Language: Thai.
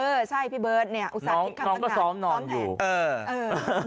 เออใช่พี่เบิร์ดเนี้ยอุตส่าห์น้องก็ซ้อมนอนอยู่เออเออ